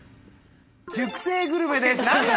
熟成グルメです！